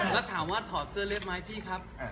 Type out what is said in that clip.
แล้วถามว่าถอดเสื้อเลือดไหมพี่ครับ